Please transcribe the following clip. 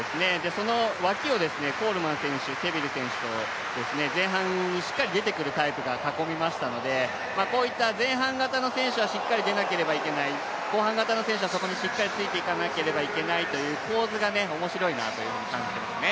その脇をコールマン選手、セビル選手と前半、しっかり出てくるタイプが囲みましたのでこういった前半型の選手がしっかり出なければいけない後半型の選手は、そこにしっかりついていかなければいけないという構図がおもしろいなと感じますね。